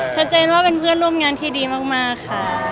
ชัดเจนว่าเป็นเพื่อนร่วมงานที่ดีมากค่ะ